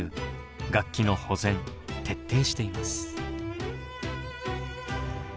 楽器の保全徹底しています。